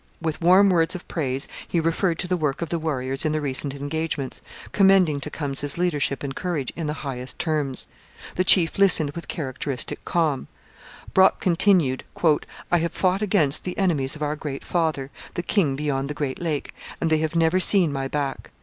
With warm words of praise he referred to the work of the warriors in the recent engagements, commending Tecumseh's leadership and courage in the highest terms. The chief listened with characteristic calm. Brock continued: 'I have fought against the enemies of our great father, the king beyond the great lake, and they have never seen my back.